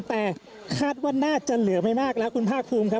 แต่คาดว่าน่าจะเหลือไม่มากแล้วคุณภาคภูมิครับ